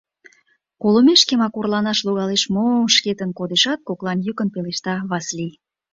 — Колымешкемак орланаш логалеш мо? — шкетын кодешат, коклан йӱкын пелешта Васлий.